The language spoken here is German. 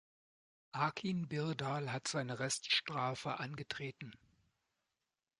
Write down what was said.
Akin Birdal hat seine Reststrafe angetreten.